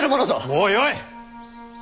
もうよい！